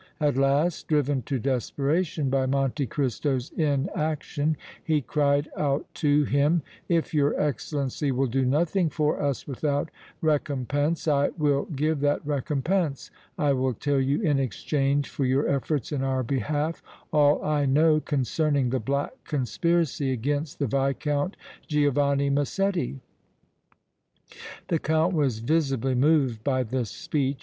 At last, driven to desperation by Monte Cristo's inaction, he cried out to him: "If your Excellency will do nothing for us without recompense, I will give that recompense; I will tell you in exchange for your efforts in our behalf all I know concerning the black conspiracy against the Viscount Giovanni Massetti!" The Count was visibly moved by this speech.